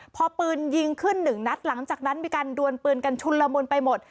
พอปืนยิงขึ้นหนึ่งนัดหลังจากนั้นมีการดวนปืนกันชุนละมุนไปหมด